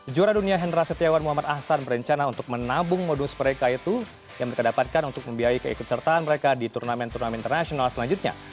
juara dunia hendra setiawan muhammad ahsan berencana untuk menabung modus mereka itu yang mereka dapatkan untuk membiayai keikutsertaan mereka di turnamen turnamen internasional selanjutnya